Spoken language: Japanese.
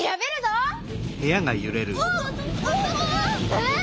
えっ？